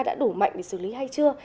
đã đủ mạnh để xử lý hay chưa